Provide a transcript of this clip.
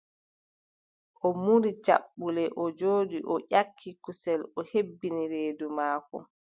O muuri caɓɓule, o jooɗi o ƴakki kusel, o hebbini reedu maako.